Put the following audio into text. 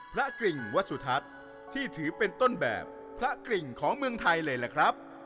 กริ่งวัสสุทัศน์ที่ถือเป็นต้นแบบพระกริ่งของเมืองไทยเลยล่ะครับ